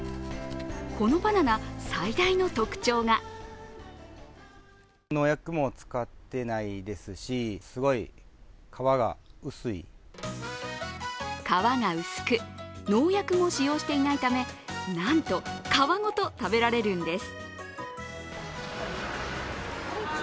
このバナナ最大の特徴が皮が薄く、農薬を使用していないためなんと皮ごと食べられるんです。